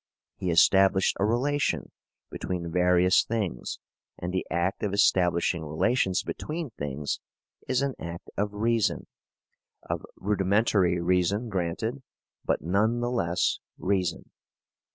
He established a relation between various things, and the act of establishing relations between things is an act of reason of rudimentary reason, granted, but none the less of reason.